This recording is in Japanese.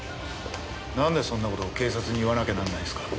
なんでそんな事を警察に言わなきゃならないんですか？